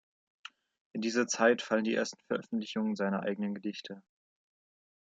In diese Zeit fallen die ersten Veröffentlichungen seiner eigenen Gedichte.